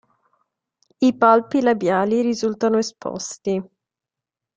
I palpi labiali risultano esposti.